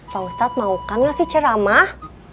pak ustadz maukan nggak sih ceramah